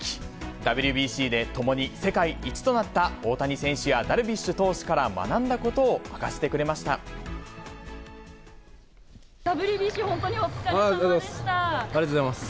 ＷＢＣで共に世界一となった大谷選手やダルビッシュ投手から学んＷＢＣ、本当にお疲れさまでありがとうございます。